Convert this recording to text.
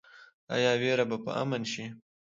آیا ویره به امن شي؟